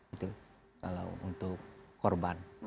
itu kalau untuk korban